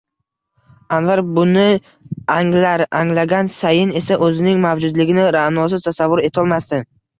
Anvar buni anglar, anglagan sayin esa o’zining mavjudligini Ra’nosiz tasavvur etolmasdi.